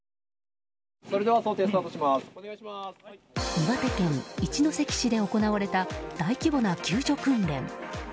岩手県一関市で行われた大規模な救助訓練。